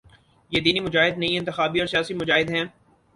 یہ دینی مجاہد نہیں، انتخابی اور سیاسی مجاہد ہیں۔